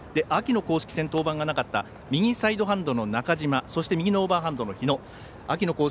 秋の公式戦登板がなかった右サイドの中嶋そして右のオーバーハンドの日野。